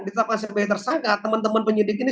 ditetapkan sebagai tersangka teman teman penyidik ini